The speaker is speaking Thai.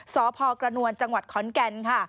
สพกระนวลจังหวัดขอนแก่นค่ะ